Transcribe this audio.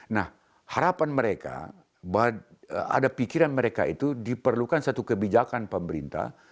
nah harapan mereka ada pikiran mereka itu diperlukan satu kebijakan pemerintah